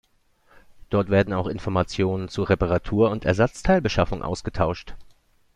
Dort werden auch Informationen zu Reparatur und Ersatzteilbeschaffung ausgetauscht.